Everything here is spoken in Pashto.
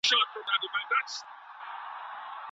د لوګر زردالو سخت نه دي.